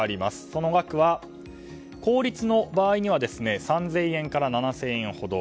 その額は公立の場合には３０００円から７０００円ほど。